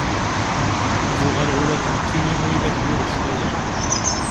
Ad uɣaleɣ ula d nekki am widak yurez lawan.